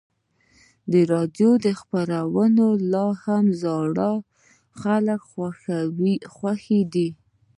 د راډیو خپرونې لا هم د زړو خلکو خوښې دي.